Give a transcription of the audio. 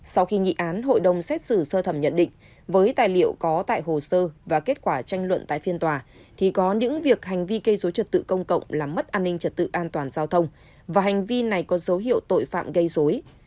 sau khi nghị án hội đồng xét xử sơ thẩm nhận định với tài liệu có tại hồ sơ và kết quả tranh luận tại phiên tòa thì có những việc hành vi gây dối trật tự công cộng làm mất an ninh trật tự an toàn giao thông và hành vi này có dấu hiệu tội phạm gây dối